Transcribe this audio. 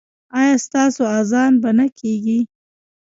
ایا ستاسو اذان به نه کیږي؟